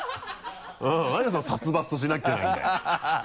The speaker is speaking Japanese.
何でそんな殺伐としなきゃいけないんだよ。